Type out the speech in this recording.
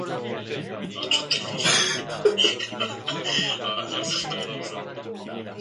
서양 사절단의 무역 제안 말인데 자네는 어떻게 생각하는가?